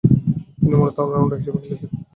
তিনি মূলতঃ অল-রাউন্ডার হিসেবে খেলেছেন।